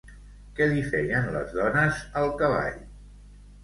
Què li feien les dones al cavall?